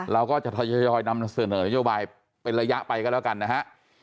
เราก็จะทยอยนำเสนอนโยบายเป็นระยะไปก็แล้วกันนะฮะ